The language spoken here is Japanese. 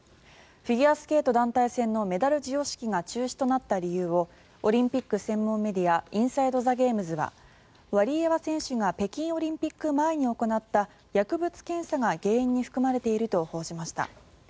フィギュアスケート団体戦のメダル授与式が中止となった理由をオリンピック専門メディアインサイド・ザ・ゲームズはワリエワ選手が北京オリンピック前に行った薬物検査が原因に含まれていると報じました。